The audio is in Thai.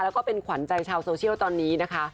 แล้วก็เป็นขวัญใจชาวโซเชียลตอนนี้นะคะ